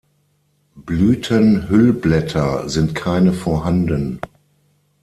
Blütenhüllblätter sind keine vorhanden.